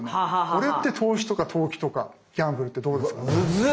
これって投資とか投機とかギャンブルってどうですか？